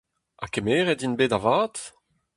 Ha kemeret int bet da vat ?